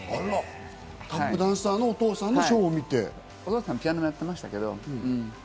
タップダンサーのお父さんのお父さんはピアノもやってましたけど。